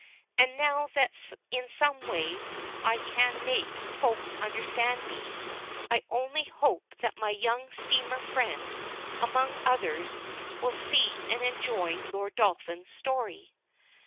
And now that in some way I can make Folks understand me, I only hope that my young steamer friend, among others, will see and enjoy Lord Dolphin's story.